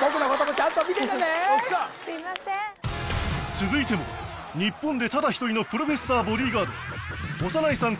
僕のこともちゃんと見ててねすみません続いても日本でただ１人のプロフェッサーボディーガード小山内さん